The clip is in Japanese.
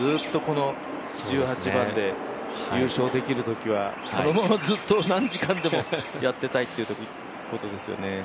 この１８番で優勝できるときは、このままずっと何時間でもやってたいってことですよね。